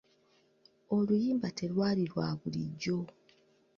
Oluyimba telwali lwa bulijjo.